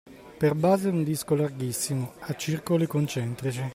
Per base un disco larghissimo, a circoli concentrici.